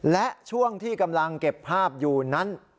และช่วงที่กำลังเก็บภาพอยู่นั้น